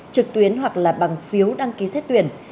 trực tuyến hoặc là bằng phiếu đăng ký xét tuyển